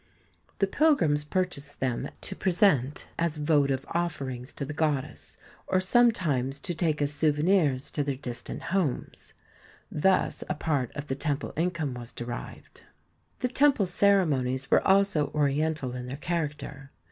The pilgrims purchased them to present as votive offerings to the goddess, or sometimes to take as souvenirs to their distant homes. Thus a part of the temple income was derived. The temple ceremonies were also Oriental in their character.